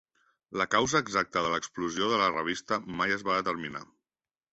La causa exacta de l'explosió de la revista mai es va determinar.